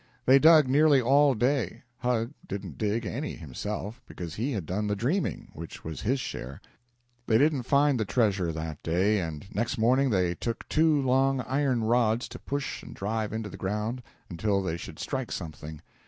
They dug nearly all day. Huck didn't dig any himself, because he had done the dreaming, which was his share. They didn't find the treasure that day, and next morning they took two long iron rods to push and drive into the ground until they should strike something.